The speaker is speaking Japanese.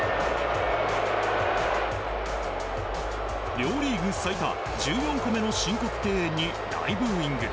両リーグ最多１４個目の申告敬遠に大ブーイング。